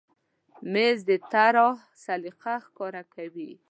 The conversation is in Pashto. مېز د طراح سلیقه ښکاره کوي.